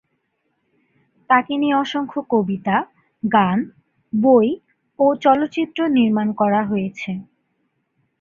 তাকে নিয়ে অসংখ্য কবিতা, গান, বই ও চলচ্চিত্র নির্মাণ করা হয়েছে।